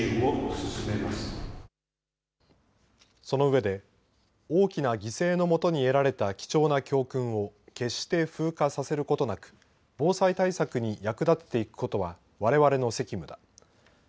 そのうえで大きな犠牲のもとに得られた貴重な教訓を決して風化させることなく防災対策に役立てていくことはわれわれの責務だ。